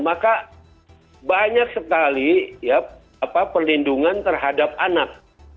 maka banyak sekali perlindungan terhadap anak